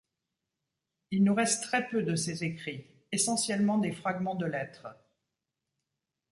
Il nous reste très peu de ses écrits, essentiellement des fragments de lettres.